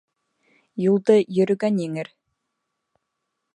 Юлды йөрөгән еңер.